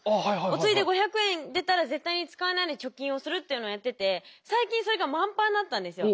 お釣りで５００円出たら絶対に使わないで貯金をするっていうのをやってて最近それが満杯になったんですよ。